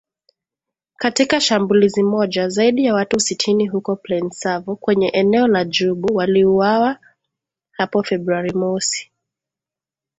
Katika shambulizi moja, zaidi ya watu sitini huko Plaine Savo kwenye eneo la Djubu waliuawa hapo Februari mosi.